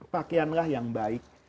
pakaianlah yang baik